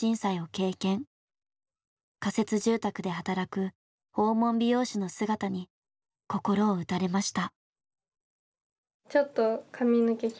仮設住宅で働く訪問美容師の姿に心を打たれました。